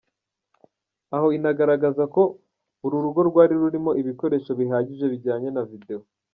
Aho inagaragaza ko uru rugo rwari rurimo ibikoresho bihagije bijyanye na Video.